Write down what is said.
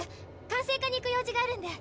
管制課に行く用事があるんで。